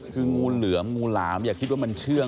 คืองูเหลือมงูหลามอย่าคิดว่ามันเชื่อง